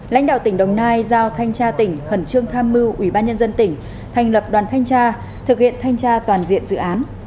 lãnh đạo tỉnh đồng nai giao thanh tra tỉnh khẩn trương tham mưu ủy ban nhân dân tỉnh thành lập đoàn thanh tra thực hiện thanh tra toàn diện dự án